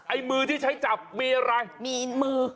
ไอ้มือที่ใช้จับมีอะไรมีมือ